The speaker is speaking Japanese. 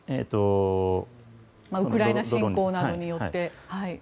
ウクライナ侵攻などによって。